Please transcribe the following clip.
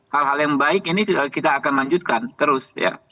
hal hal yang baik ini kita akan lanjutkan terus ya